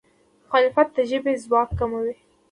مخالفت د ژبې ځواک کموي.